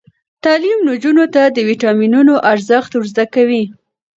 تعلیم نجونو ته د ویټامینونو ارزښت ور زده کوي.